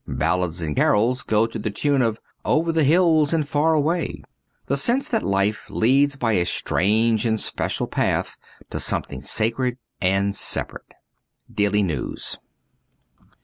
Ballads and carols go to the tune of ' Over the hills and far away ;' the sense that life leads by a strange and special path to something sacred and separate. ' Daily News.'